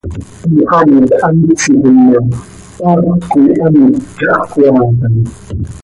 Moxhamt hant tsiijim ma, haacöt coi hant yahjcoaalam.